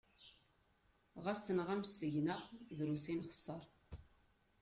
Xas tenɣam seg-neɣ, drus i nexseṛ.